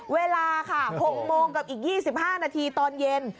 เวลาค่ะ๖โมงกับอีก๒๕นาทีตอนเย็น